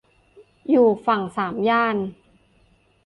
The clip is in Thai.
อยู่ฝั่งสามย่าน